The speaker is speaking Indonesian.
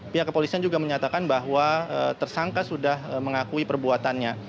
pihak kepolisian juga menyatakan bahwa tersangka sudah mengakui perbuatannya